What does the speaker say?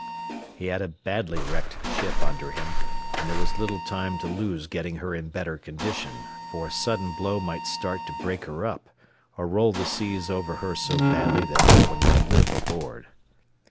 He had a badly wrecked ship under him, and there was little time to lose getting her in better condition, for a sudden blow might start to break her up, or roll the seas over her so badly that no one could live aboard.